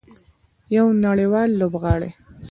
یو نړیوال لوبغاړی.